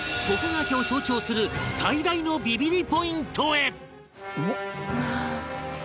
徳川家を象徴する最大のビビりポイントへ